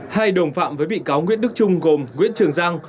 hai đồng phạm với bị cáo nguyễn đức trung gồm nguyễn trường giang